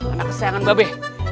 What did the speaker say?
anak kesayangan babe